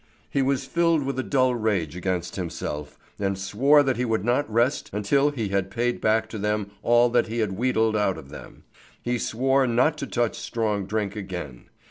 He was filled with a dull rage against himself, and swore that he would not rest until he had paid back to them all that he had wheedled out of them. He swore not to touch strong drink again.